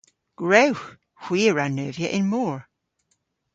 Gwrewgh! Hwi a wra neuvya y'n mor.